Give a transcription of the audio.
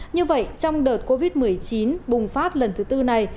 như vậy trong đợt covid một mươi chín bùng phát lần thứ tư này